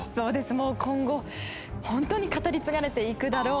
もう今後本当に語り継がれていくだろう